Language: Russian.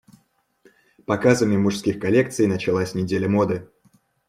Показами мужских коллекций началась Неделя моды.